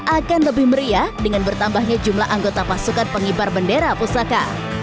akan lebih meriah dengan bertambahnya jumlah anggota pasukan pengibar bendera pusaka